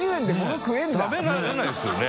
食べられないですよね。